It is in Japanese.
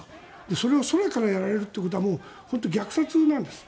それを空からやられるというのは虐殺なんです。